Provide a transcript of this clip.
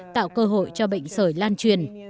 tạo cơ hội cho bệnh sởi lan truyền